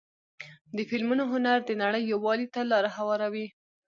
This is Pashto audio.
د فلمونو هنر د نړۍ یووالي ته لاره هواروي.